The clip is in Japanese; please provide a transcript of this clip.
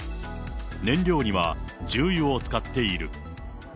燃料には重油を使っている。